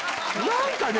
何かね